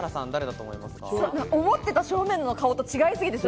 思ってた正面の顔と違いすぎて。